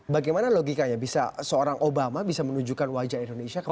bagaimana logikanya seorang obama bisa menunjukkan wajah indonesia ke dunia